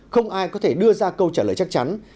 không ai có thể đưa ra câu trả lời chắc chắn